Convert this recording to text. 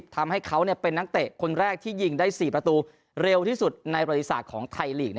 ทำให้เขาเป็นนักเตะคนแรกที่ยิงได้๔ประตูเร็วที่สุดในบริษัทของไทยลีก